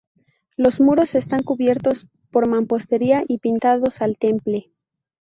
Los muros están cubiertos por mampostería y pintados al temple.